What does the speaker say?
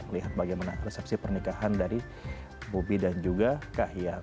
lihat bagaimana resepsi pernikahan dari bobi dan juga kak hiang